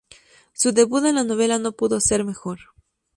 Su debut en la novela no pudo ser mejor.